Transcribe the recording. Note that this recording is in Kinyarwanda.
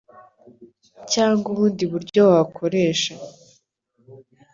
cyangwa ubundi buryo wakoresha.